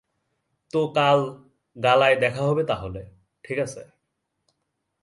তো, কাল গালায় দেখা হবে তাহলে, ঠিক আছে?